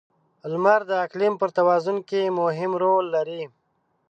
• لمر د اقلیم پر توازن کې مهم رول لري.